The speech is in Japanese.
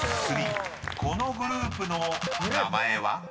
［このグループの名前は？］